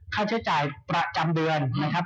ค่าใช้จ่ายประจำเดือนนะครับ